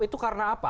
itu karena apa